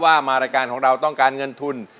มารายการของเราต้องการเงินทุน